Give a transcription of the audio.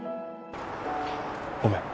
ごめん。